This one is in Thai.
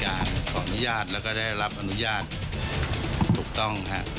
ขออนุญาตแล้วก็ได้รับอนุญาตถูกต้องฮะ